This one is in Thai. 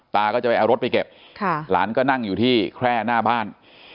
ก็จะไปเอารถไปเก็บหลานก็นั่งอยู่ที่แคร่หน้าบ้าน